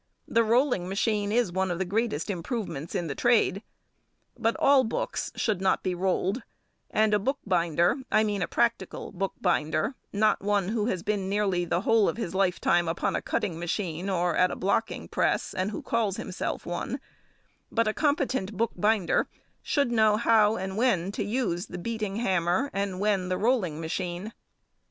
The rolling machine is one of the greatest improvements in the trade, but all books should not be rolled, and a bookbinder, I mean a practical bookbinder, not one who has been nearly the whole of his lifetime upon a cutting machine, or at a blocking press, and who calls himself one, but a competent bookbinder, should know how and when to use the beating hammer and when the rolling machine.